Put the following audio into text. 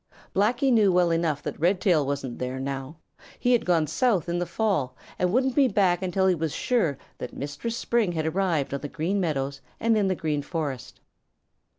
Blacky knew well enough that Redtail wasn't there now; he had gone south in the fell and wouldn't be back until he was sure that Mistress Spring had arrived on the Green Meadows and in the Green Forest.